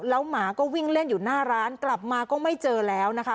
แล้วหมาก็วิ่งเล่นอยู่หน้าร้านกลับมาก็ไม่เจอแล้วนะคะ